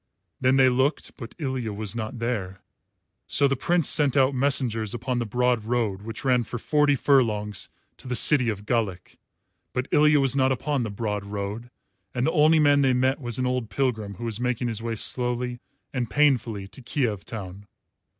Then they looked, but Ilya was not there. So the Prince sent out messengers upon the broad road which ran for forty furlongs to the city of Galich; but Ilya was not upon the broad road, and the only man they met was an old pilgrim who was making his way slowly and painfully to Kiev town.